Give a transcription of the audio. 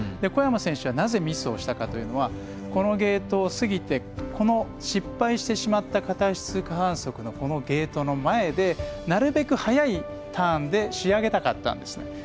小山選手がなぜミスをしたかというのはこのゲートを過ぎて失敗してしまった片足不通過反則のゲートの前でなるべく速いターンで仕上げたかったんです。